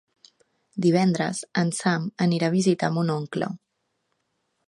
Divendres en Sam anirà a visitar mon oncle.